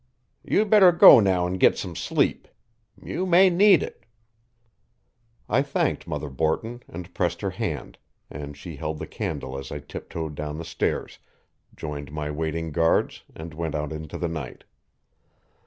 You'd better go now and git some sleep. You may need it." I thanked Mother Borton and pressed her hand, and she held the candle as I tiptoed down the stairs, joined my waiting guards, and went out into the night.